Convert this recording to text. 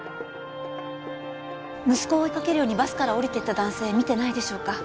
息子を追いかけるようにバスから降りてった男性見てないでしょうか？